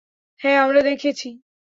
হ্যাঁ, আমরা দেখেছি।